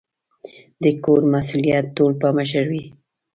د کور مسؤلیت ټول په مشر وي